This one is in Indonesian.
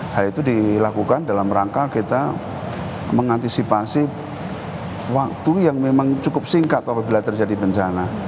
hal itu dilakukan dalam rangka kita mengantisipasi waktu yang memang cukup singkat apabila terjadi bencana